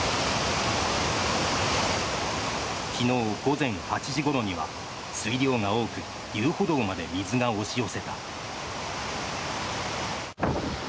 昨日午前８時ごろには水量が多く遊歩道まで水が押し寄せた。